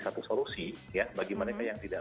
satu solusi ya bagi mereka yang tidak